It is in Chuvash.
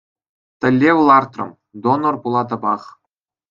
Тӗллев лартрӑм -- донор пулатӑпах.